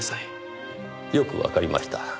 よくわかりました。